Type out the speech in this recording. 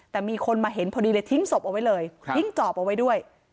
แต่มีคนมาเห็นพอดีเลยทิ้งศพเอาไว้เลยทิ้งจอบเอาไว้ด้วย